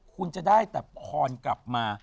คุณจะได้แต่พรกลับมา